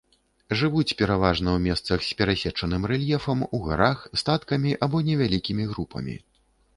Жывуць пераважна ў месцах з перасечаным рэльефам, у гарах, статкамі або невялікімі групамі.